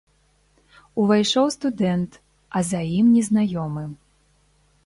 Увайшоў студэнт, а за ім незнаёмы.